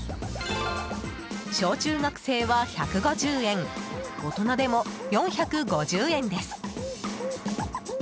小中学生は１５０円大人でも４５０円です。